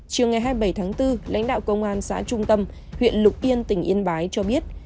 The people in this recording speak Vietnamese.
chiều ngày hai mươi bảy tháng bốn lãnh đạo công an xã trung tâm huyện lục yên tỉnh yên bái cho biết